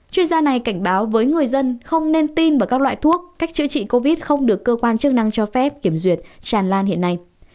chuyên gia này cảnh báo với người dân không nên tin vào các loại thuốc cách chữa trị covid không được cơ quan chức năng cho phép kiểm duyệt tràn lan hiện nay